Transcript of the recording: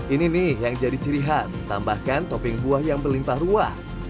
ini nih yang jadi ciri khas tambahkan topping buah yang berlimpah ruah